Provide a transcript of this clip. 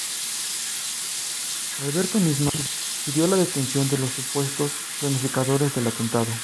Alberto Nisman pidió la detención de los supuestos planificadores del atentado.